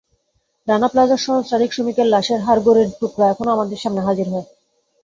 রানা প্লাজার সহস্রাধিক শ্রমিকের লাশের হাড়গোড়ের টুকরা এখনো আমাদের সামনে হাজির হয়।